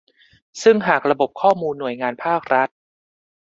ซึ่งหากระบบข้อมูลหน่วยงานภาครัฐ